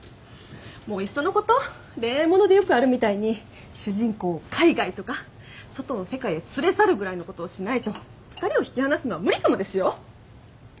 もういっそのこと恋愛物でよくあるみたいに主人公を海外とか外の世界へ連れ去るぐらいのことをしないと２人を引き離すのは無理かもですよ！